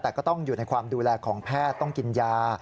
แต่ก็ต้องอยู่ในความดูแลของแพทย์ต้องกินยา